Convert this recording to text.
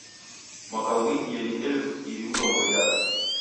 Mwaka ghuidie ni elifu iw'i mrongo idadu.